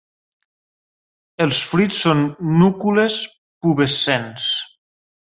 Els fruits són núcules pubescents.